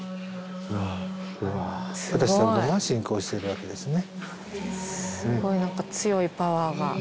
私どもが信仰しているわけですね。